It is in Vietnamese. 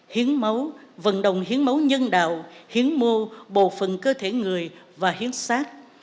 hiến máu vận động hiến máu nhân đạo hiến mô phần cơ thể người và hiến sát